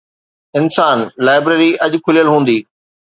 انسان، لائبريري اڄ کليل هوندي